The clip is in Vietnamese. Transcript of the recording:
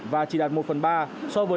và chỉ đạt một phần ba so với